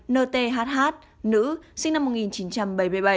hai n t h h nữ sinh năm một nghìn chín trăm bảy mươi bảy